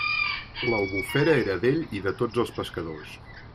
L'Albufera era d'ell i de tots els pescadors.